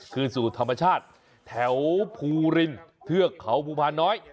คืนสู่ธรรมชาติแถวภูรินเทือกเขาภูพาน้อย